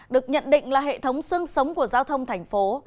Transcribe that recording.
được nhận định là hệ thống sương sống của giao thông thành phố